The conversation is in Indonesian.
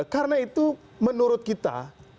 karena itu menurut kita